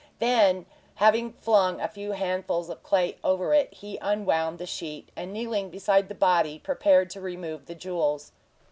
Then, having flung a few handfuls of clay over it, he unwound the sheet, and kneeling beside the body, prepared to remove the jewels.